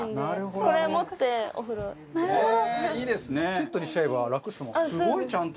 セットにしちゃえば楽ですもんね。